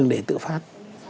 chứ đừng để tự phát